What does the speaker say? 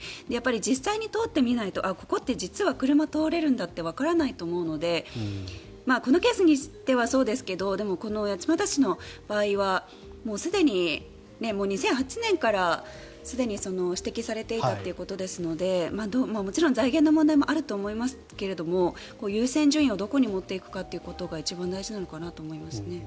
実際に通ってみないとここって実は車、通れるんだってわからないと思うのでこのケースにしてはそうですがこの八街市の場合は２００８年からすでに指摘されていたということですのでもちろん財源の問題もあると思いますが優先順位をどこに持っていくかということが一番大事なのかなと思いますね。